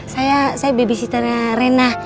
saya babysitternya rena